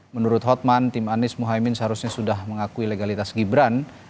menurut hotman tim anies mohaimin seharusnya sudah mengakui legalitas gibran